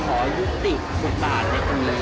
ขอยุธิอยุบตลาดในอุ้งเรียน